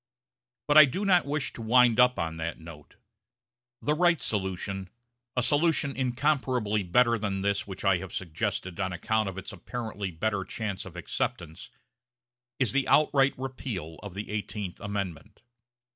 But I do not wish to wind up on that note. The right solution a solution incomparably better than this which I have suggested on account of its apparently better chance of acceptance is the outright repeal of the Eighteenth Amendment.